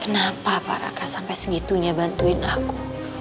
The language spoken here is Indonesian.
kenapa pak raka sampai segitunya bantuin aku